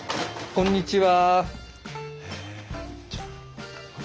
こんにちは。